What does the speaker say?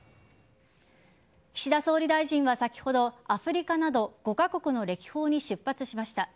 岸田総理大臣は先ほどアフリカなど５カ国の歴訪に出発しました。